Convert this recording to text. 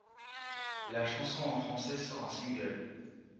La chanson en français sort en single.